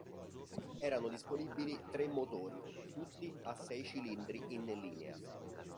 Erano disponibili tre motori, tutti a sei cilindri in linea.